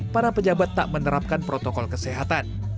para pejabat tak menerapkan protokol kesehatan